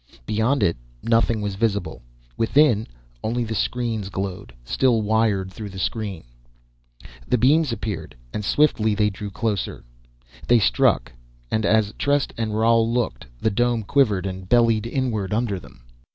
Beyond it, nothing was visible. Within, only the screens glowed still, wired through the screen. The beams appeared, and swiftly they drew closer. They struck, and as Trest and Roal looked, the dome quivered, and bellied inward under them.